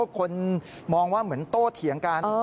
คนมองว่าเหมือนโต้เถียงกัน